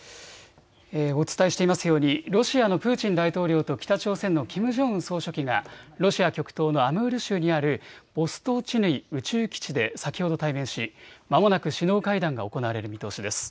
お伝えしていますようにロシアのプーチン大統領と北朝鮮のキム・ジョンウン総書記がロシア極東のアムール州にあるボストーチヌイ宇宙基地で先ほど対面しまもなく首脳会談が行われる見通しです。